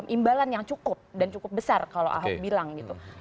imbalan yang cukup dan cukup besar kalau ahok bilang gitu